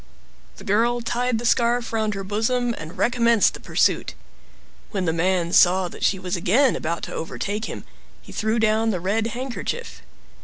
The girl tied the scarf round her bosom and recommenced the pursuit. When the man saw that she was again about to overtake him, he threw down the red handkerchief.